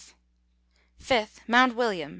5th. Mouut William, N.